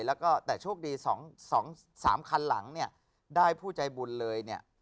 แล้วก็แต่โชคดี๒๓คันหลังเนี่ยได้ผู้ใจบุญเลยเนี่ย